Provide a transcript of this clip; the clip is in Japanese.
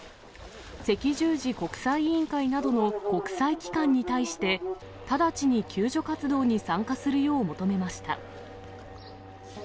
赤十字国際委員会などの国際機関に対して、直ちに救助活動に参加するよう求めました。